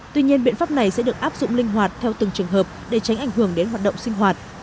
tuy nhiên biện pháp này sẽ được áp dụng linh hoạt theo từng trường hợp để tránh ảnh hưởng đến hoạt động sinh hoạt